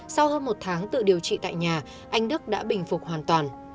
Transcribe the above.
sau hơn một tháng tự điều trị tại nhà anh đức đã bình phục hoàn toàn